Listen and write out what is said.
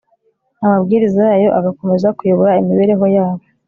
amabwiriza yayo agakomeza kuyobora imibereho yabo